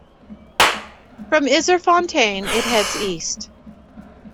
From Yzerfontein, it heads east.